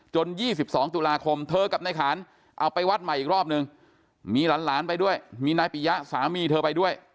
๒๒ตุลาคมเธอกับนายขานเอาไปวัดใหม่อีกรอบนึงมีหลานไปด้วยมีนายปิยะสามีเธอไปด้วย